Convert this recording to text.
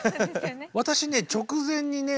私ね直前にね